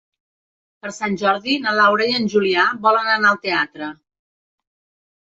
Per Sant Jordi na Laura i en Julià volen anar al teatre.